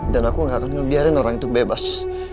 dan aku gak akan ngebiarin orang itu bebas